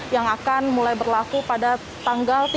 yang akan mulai berlaku pada tanggal